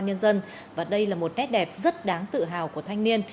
công an nhân dân và đây là một nét đẹp rất đáng tự hào của thanh niên